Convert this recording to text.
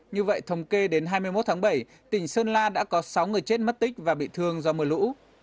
như vậy thống kê đến hai mươi một tháng bảy tỉnh sơn la đã có sáu người chết mất tích và bị thương do mưa lũ